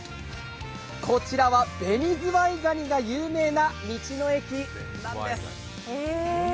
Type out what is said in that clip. こちらはベニズワイガニが有名な道の駅なんです。